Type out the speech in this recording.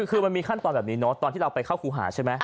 คือมันมีขั้นตอนแบบนี้เนอะตอนที่เราไปเข้าครูหาใช่ไหม